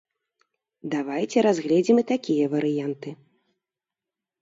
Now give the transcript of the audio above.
Давайце разгледзім і такія варыянты.